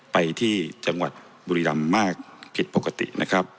ไปที่จังหวัดบุรีรำมากผิดปกตินะครับ